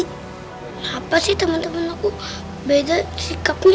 kenapa sih temen temen aku beda sikapnya